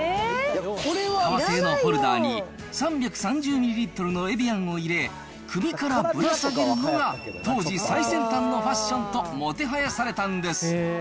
革製のホルダーに、３３０ミリリットルのエビアンを入れ、首からぶら下げるのが当時、最先端のファッションともてはやされたんです。